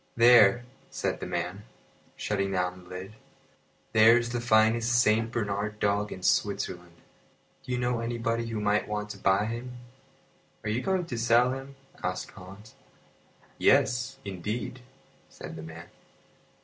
"There," said the man, shutting down the lid, "there is the finest Saint Bernard dog in Switzerland. Do you know anybody who might want to buy him?" "Are you going to sell him?" asked Hans. "Yes, indeed," said the man.